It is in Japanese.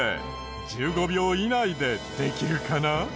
１５秒以内でできるかな？